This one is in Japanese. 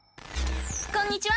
こんにちは！